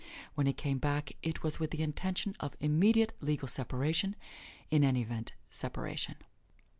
When he came back, it was with the intention of immediate legal separation in any event separation.